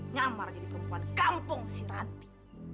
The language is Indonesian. nyamar jadi perempuan kampung si ranti